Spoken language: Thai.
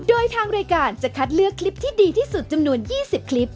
โดยทางรายการจะคัดเลือกคลิปที่ดีที่สุดจำนวน๒๐คลิป